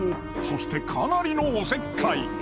そしてかなりのおせっかい